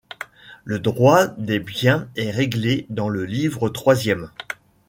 Le droit des biens est réglé dans le livre troisième.